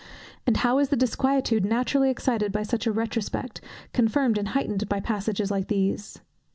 And how is the disquietude naturally excited by such a retrospect, confirmed and heightened by passages like these?